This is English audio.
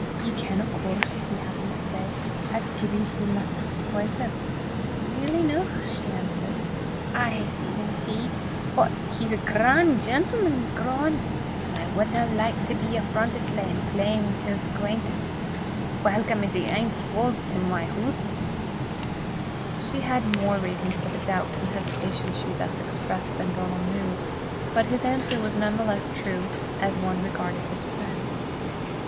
"Ye ken, of coorse," he happened to say, "'at Gibbie's wi' Maister Sclater?" "Weel eneuch," she answered. "I hae seen him tee; but he's a gran' gentleman grown, an' I wadna like to be affrontit layin' claim till 's acquaintance, walcome as he ance was to my hoose!" She had more reason for the doubt and hesitation she thus expressed than Donal knew. But his answer was none the less the true one as regarded his friend.